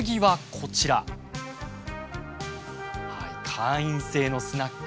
会員制のスナック。